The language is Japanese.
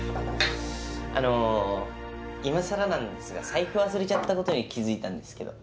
あの今更なんですが財布忘れちゃったことに気付いたんですけど。